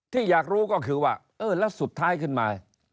ที่อยากรู้ก็คือว่าเออแล้วสุดท้ายขึ้นมา